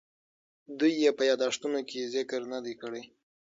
دوی یې په یادښتونو کې ذکر نه دی کړی.